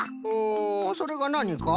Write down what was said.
んそれがなにか？